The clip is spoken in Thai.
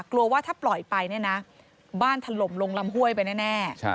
กลัวว่าถ้าปล่อยไปเนี่ยนะบ้านถล่มลงลำห้วยไปแน่